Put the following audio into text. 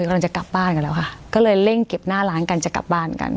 กำลังจะกลับบ้านกันแล้วค่ะก็เลยเร่งเก็บหน้าร้านกันจะกลับบ้านกัน